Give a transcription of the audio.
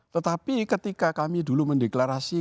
tetapi ketika kami dulu mendeklarasi